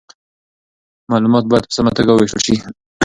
معلومات باید په سمه توګه وویشل سي.